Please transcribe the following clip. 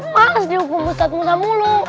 mas dihukum ustadz musa mulu